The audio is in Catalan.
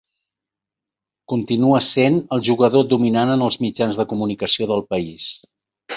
Continua essent el jugador dominant en els mitjans de comunicació del país.